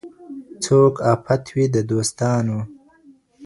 څوک آفت وي د دوستانو